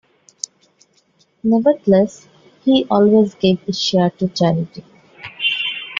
Nevertheless, he always gave a share to charity.